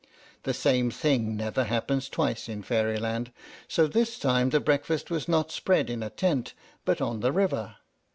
The same thing never happens twice in Fairyland, so this time the breakfast was not spread in a tent, but on the river.